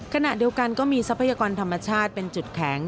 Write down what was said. ขณะเดียวกันก็มีทรัพยากรธรรมชาติเป็นจุดแข็ง